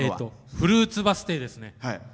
フルーツバス停ですね。